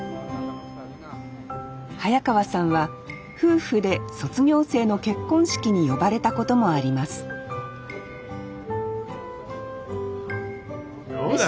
早川さんは夫婦で卒業生の結婚式に呼ばれたこともありますどうだろうね？